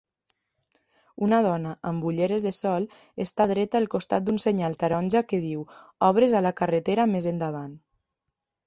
Una dona amb ulleres de sol està dreta al costat d'un senyal taronja que diu "Obres a la carretera més endavant".